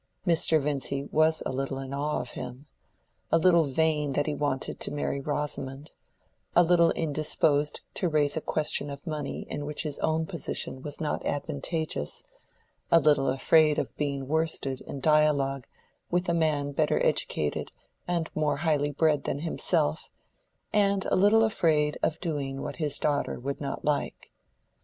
Mr. Vincy was a little in awe of him, a little vain that he wanted to marry Rosamond, a little indisposed to raise a question of money in which his own position was not advantageous, a little afraid of being worsted in dialogue with a man better educated and more highly bred than himself, and a little afraid of doing what his daughter would not like.